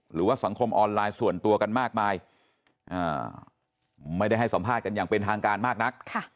หรือว่าสังคมออนไลน์ส่วนตัวกันมากมายไม่ได้ให้สัมภาษณ์กันอย่างเป็นทางการมากนัก